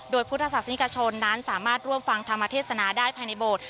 โดยพุทธศาสนิกชนนั้นสามารถร่วมฟังธรรมเทศนาได้ภายในโบสถ์